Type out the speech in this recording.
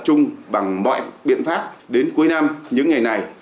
chung bằng mọi biện pháp đến cuối năm những ngày này